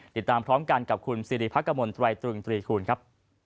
ติดตามพร้อมกันกับคุณซิริพักกะมนต์ไว้ตรึง๓คูณครับ